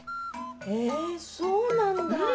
えそうなんだ。